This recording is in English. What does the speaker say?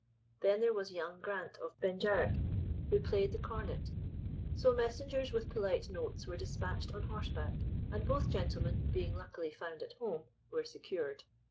Then there was young Grant of Bendearg, who played the cornet. So, messengers with polite notes were despatched on horseback, and both gentlemen, being luckily found at home, were secured.